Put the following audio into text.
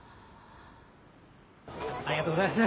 ありがとうございます。